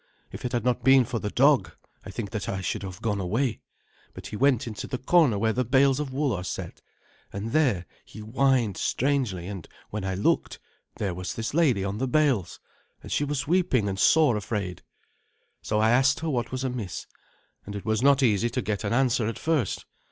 If it had not been for the dog, I think that I should have gone away, but he went into the corner where the bales of wool are set, and there he whined strangely, and when I looked, there was this lady on the bales, and she was weeping and sore afraid. So I asked her what was amiss, and it was not easy to get an answer at first.